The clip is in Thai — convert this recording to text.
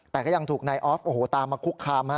แต่ก็ยังถูกน้อยอ๊อฟตามมาคุกคาม